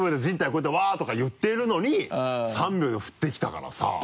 こうやってワッとか言ってるのに３秒で振ってきたからさ。